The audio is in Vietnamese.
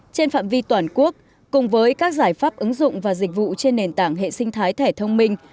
trên phạm vi toàn quốc cùng với các giải pháp ứng dụng và dịch vụ trên nền tảng hệ sinh thái thẻ thông minh